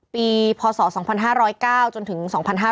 พศ๒๕๐๙จนถึง๒๕๕๙